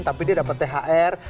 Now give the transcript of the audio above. tapi dia dapat thr